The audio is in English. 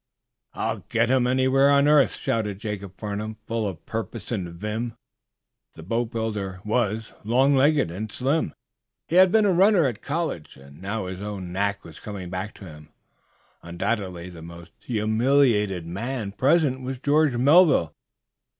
"I'll get him, anywhere on earth!" shouted Jacob Farnum, full of purpose and vim. The boatbuilder was long legged and slim. He had been a runner at college, and now his old knack was coming back to him. Undoubtedly the most humiliated man present was George Melville.